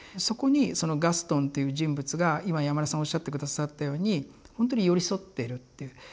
そこにガストンっていう人物が今山根さんおっしゃって下さったようにほんとに寄り添ってるっていう。